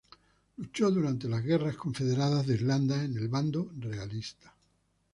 Luchó durante las Guerras confederadas de Irlanda en el bando "Realista".